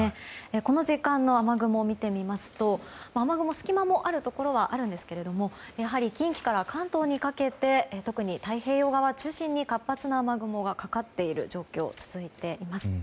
この時間の雨雲を見てみますと雨雲、隙間もあるところはあるんですけれどもやはり近畿から関東にかけて特に太平洋側を中心に活発な雨雲がかかっている状況が続いています。